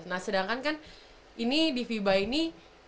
nah sedangkan kan ini di fiba ini